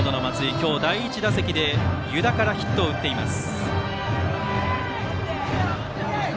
今日第１打席で湯田からヒットを打っています。